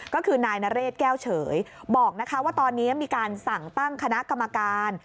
ก็คือนายนเรศแก้วเฉยบอกว่าตอนนี้มีการสั่งตั้งคณะกรรมการ